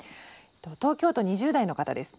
東京都２０代の方です。